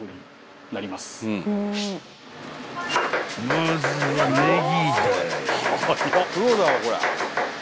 ［まずはネギだい］